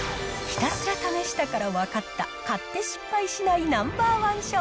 ひたすら試したから分かった、買って失敗しないナンバー１商